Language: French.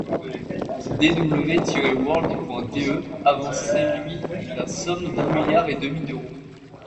Dw-world.de avançait lui la somme d'un milliard et demi d'euros.